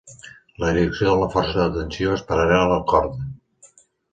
La direcció de la força de tensió és paral·lela a la corda.